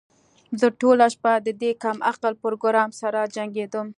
زه ټوله شپه د دې کم عقل پروګرامر سره جنګیدم